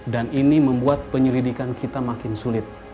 dan ini membuat penyelidikan kita makin sulit